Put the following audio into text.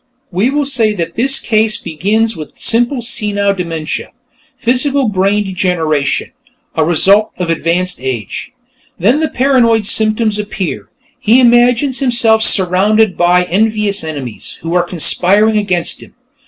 We will say that this case begins with simple senile dementia physical brain degeneration, a result of advanced age. Then the paranoid symptoms appear; he imagines himself surrounded by envious enemies, who are conspiring against him.